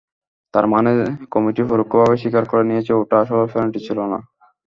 তার মানে, কমিটি পরোক্ষভাবে স্বীকার করে নিয়েছে ওটা আসলে পেনাল্টি ছিল না।